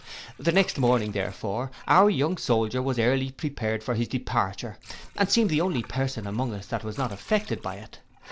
The next morning, therefore, our young soldier was early prepared for his departure, and seemed the only person among us that was not affected by it.